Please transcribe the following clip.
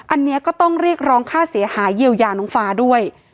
อันนี้ก็ต้องเรียกร้องค่าเสียหายเยียวยาน้องฟ้าด้วย